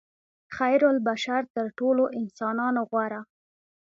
خیرالبشر تر ټولو انسانانو غوره.